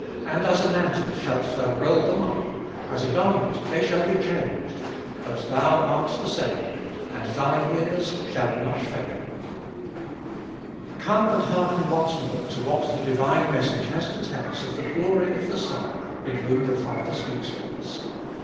And as a mantle shalt thou roll them up, As a garment, and they shall be changed: But thou art the same, And thy years shall not fail (Ps. cii. 26, 27). COME and hearken once more to what the divine message has to tell us of the glory of the Son, in whom the Father speaks to us.